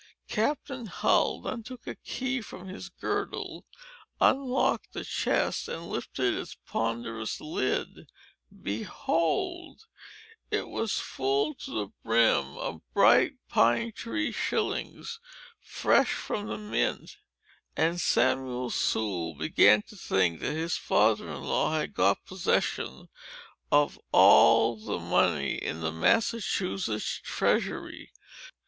Captain Hull then took a key from his girdle, unlocked the chest, and lifted its ponderous lid. Behold! it was full to the brim of bright pine tree shillings, fresh from the mint; and Samuel Sewell began to think that his father in law had got possession of all the money in the Massachusetts treasury.